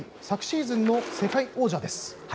昨シーズンの世界王者です。